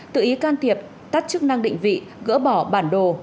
tự ý can thiệp tắt chức năng định vị gỡ bỏ bản đồ